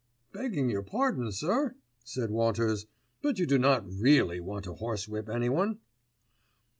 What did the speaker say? "Begging your pardon, sir," said Walters. "But you do not really want to horsewhip anyone."